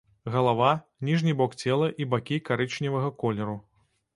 Галава, ніжні бок цела і бакі карычневага колеру.